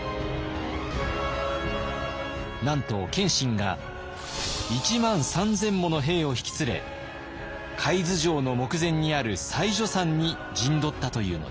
なんと謙信が１万３，０００もの兵を引き連れ海津城の目前にある妻女山に陣取ったというのです。